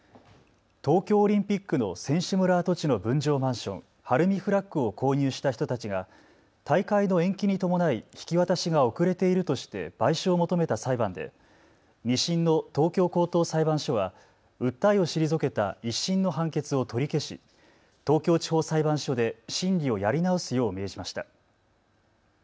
東京オリンピックの選手村跡地の分譲マンション、晴海フラッグを購入した人たちが大会の延期に伴い引き渡しが遅れているとして賠償を求めた裁判で２審の東京高等裁判所は訴えを退けた１審の判決を取り消し東京地方裁判所で審理をやり直すよう命じました。